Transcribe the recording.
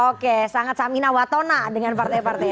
oke sangat samina watona dengan partai partai